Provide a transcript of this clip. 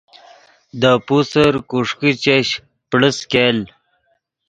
دے پوسر کوݰیکے چش پڑس ګیل